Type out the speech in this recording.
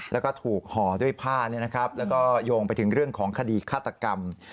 แล้วก็ถูกห่อด้วยผ้าแล้วก็โยงไปถึงเรื่องของคดีฆาตกรรม